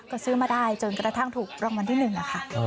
ก็ซื้อมาได้จนกระทั่งถูกรางวัลที่๑ค่ะ